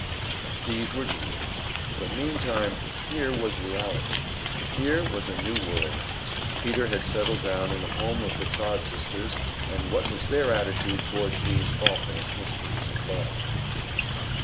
These were dreams; but meantime here was reality, here was a new world. Peter had settled down in the home of the Todd sisters; and what was their attitude toward these awful mysteries of love?